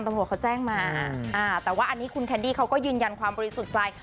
ตำรวจเขาแจ้งมาอ่าแต่ว่าอันนี้คุณแคนดี้เขาก็ยืนยันความบริสุทธิ์ใจ